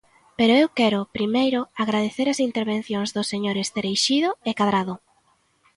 Pero eu quero, primeiro, agradecer as intervencións dos señores Cereixido e Cadrado.